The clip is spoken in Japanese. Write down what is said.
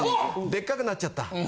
でっかくなっちゃった。